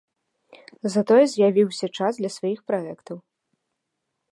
Затое з'явіўся час для сваіх праектаў.